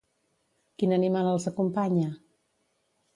Quin animal els acompanya?